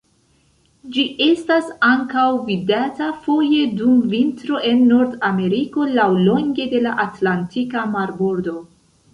Ĝi estas ankaŭ vidata foje dum vintro en Nordameriko laŭlonge de la Atlantika Marbordo.